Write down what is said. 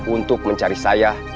untuk mencari saya